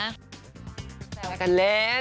แบบกันเล่น